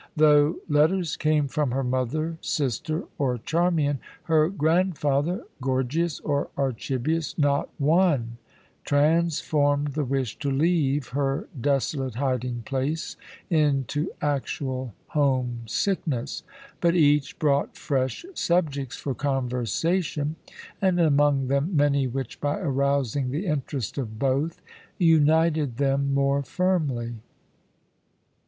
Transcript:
Though letters came from her mother, sister, or Charmian, her grandfather, Gorgias, or Archibius, not one transformed the wish to leave her desolate hiding place into actual homesickness, but each brought fresh subjects for conversation, and among them many which, by arousing the interest of both, united them more firmly.